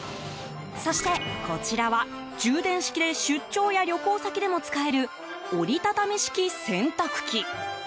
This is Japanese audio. そして、こちらは充電式で出張や旅行先でも使える折り畳み式洗濯機。